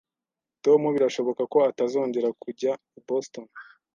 Tom birashoboka ko atazongera kujya i Boston